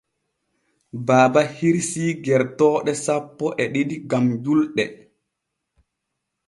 Baaba hirsii gertooɗo sappo e ɗiɗi gam julɗe.